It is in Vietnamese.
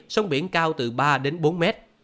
sông biển cao từ ba bốn m